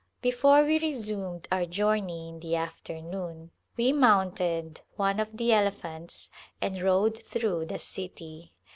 Before we resumed our journey in the afternoon we mounted one of the elephants and rode through the city.